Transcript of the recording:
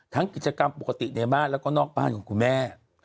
กิจกรรมปกติในบ้านแล้วก็นอกบ้านของคุณแม่